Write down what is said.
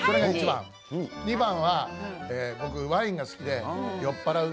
２番は僕、ワインが好きで酔っ払う。